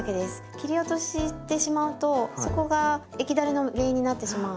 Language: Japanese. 切り落としてしまうとそこが液だれの原因になってしまうので。